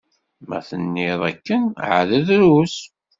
Ma tenniḍ akken εad drus.